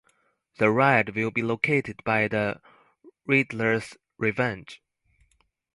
The ride will be located by The Riddler's Revenge.